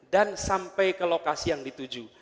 dan sampai ke lokasi yang dituju